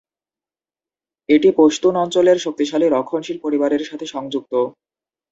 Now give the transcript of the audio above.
এটি পশতুন অঞ্চলের শক্তিশালী রক্ষণশীল পরিবারের সাথে সংযুক্ত।